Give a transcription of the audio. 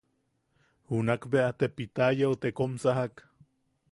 Junak bea te Pitayau te kom sajak.